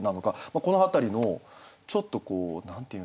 この辺りのちょっとこう何て言うんですかね。